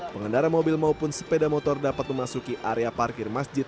pengendara mobil maupun sepeda motor dapat memasuki area parkir masjid